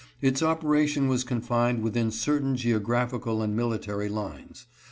Its operation was confined within certain geographical and military lines.